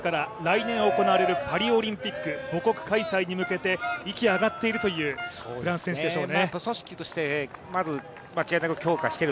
フランスですから、来年行われるパリオリンピック母国開催に向けて息が上がっているというフランス選手でしょうね。